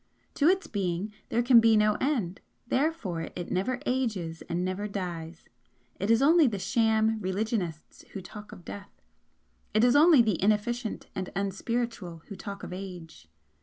To its Being there can be no end therefore it never ages and never dies. It is only the sham religionists who talk of death, it is only the inefficient and unspiritual who talk of age.